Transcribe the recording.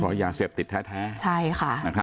เพราะยาเสพติดแท้ใช่ค่ะ